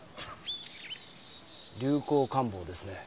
流行感冒ですね。